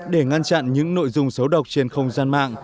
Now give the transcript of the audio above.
để ngăn chặn những nội dung xấu độc trên không gian mạng